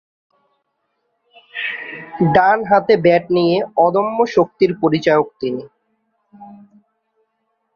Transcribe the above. ডানহাতে ব্যাট নিয়ে অদম্য শক্তির পরিচায়ক তিনি।